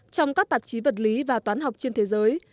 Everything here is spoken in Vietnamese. của tạp chí vật lý và toán học trên thế giới